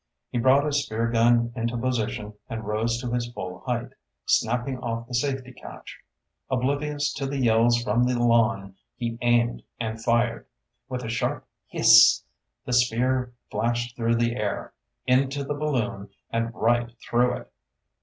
He brought his spear gun into position and rose to his full height, snapping off the safety catch. Oblivious to the yells from the lawn, he aimed and fired. With a sharp hiss, the spear flashed through the air into the balloon and right through it!